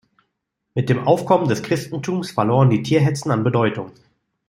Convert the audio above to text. Mit dem Aufkommen des Christentums verloren die Tierhetzen an Bedeutung.